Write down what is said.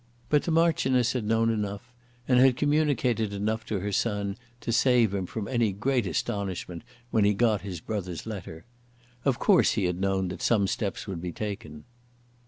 But the Marchioness had known enough, and had communicated enough to her son to save him from any great astonishment when he got his brother's letter. Of course he had known that some steps would be taken.